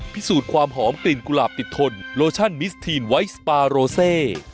พิสูจน์ความหอมกลิ่นกุหลาบติดทนโลชั่นมิสทีนไวท์สปาโรเซ